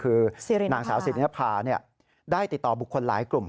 คือนางสาวสิทธินภาได้ติดต่อบุคคลหลายกลุ่ม